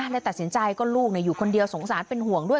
เลยตัดสินใจก็ลูกอยู่คนเดียวสงสารเป็นห่วงด้วย